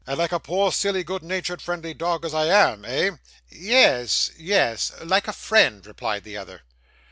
'And like a poor, silly, good natured, friendly dog as I am, eh?' 'Ye es, ye es; like a friend,' replied the other.